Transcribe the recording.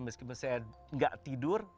meskipun saya tidak tidur